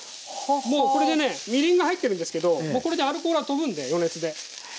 もうこれでねみりんが入ってるんですけどもうこれでアルコールはとぶんで余熱で。